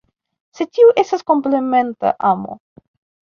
Sed tio estas komplementa amo.